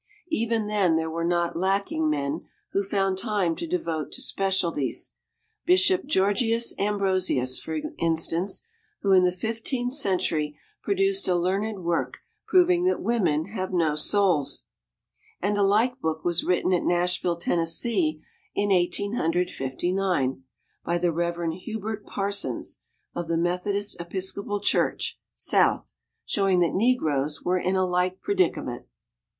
Even then there were not lacking men who found time to devote to specialties: Bishop Georgius Ambrosius, for instance, who in the Fifteenth Century produced a learned work proving that women have no souls. And a like book was written at Nashville, Tennessee, in Eighteen Hundred Fifty nine, by the Reverend Hubert Parsons of the Methodist Episcopal Church (South), showing that negroes were in a like predicament.